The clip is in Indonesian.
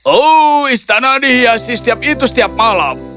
oh istana dihiasi setiap itu setiap malam